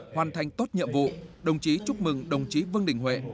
hoàn thành tốt nhiệm vụ đồng chí chúc mừng đồng chí vương đình huệ